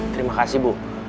terima kasih ibu